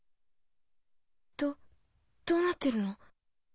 どどうなってるの？